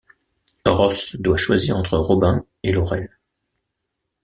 Ross doit choisir entre Robin et Laurel.